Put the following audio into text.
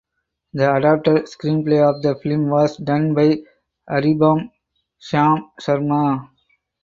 The adapted screenplay of the film was done by Aribam Syam Sharma.